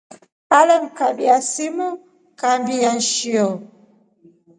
Ale mkabya simu kambia nshio.